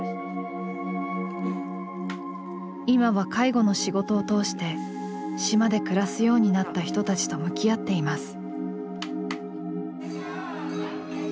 今は介護の仕事を通して島で暮らすようになった人たちと向き合っています。